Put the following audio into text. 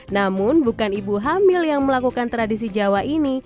namun bukan ibu hamil yang melakukan tradisi jawa ini